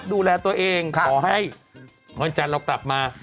ดูแลตัวเองขอให้วันจันทร์เรากลับมา